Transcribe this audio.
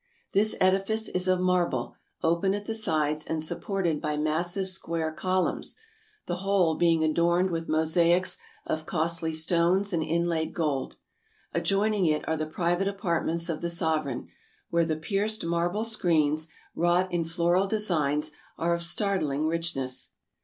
This edifice is of marble, open at the sides, and supported by massive square columns, the whole being adorned with mosaics of costly stones and inlaid gold. Adjoining it are the private apartments of the sovereign, where the pierced marble screens, wrought in floral designs, are of startling richness.